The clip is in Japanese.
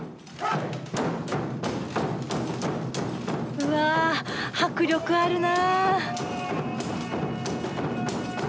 うわ迫力あるな。